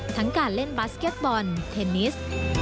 การเล่นบาสเก็ตบอลเทนนิส